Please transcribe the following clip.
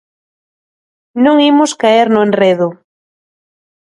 Non imos caer no enredo.